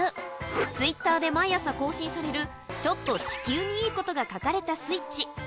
ツイッターで毎朝更新されるちょっと地球にいいことが書かれたスイッチ。